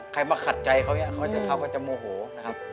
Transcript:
ใครมาขัดใจเขาอย่างนี้เขาก็จะโมโหนะครับ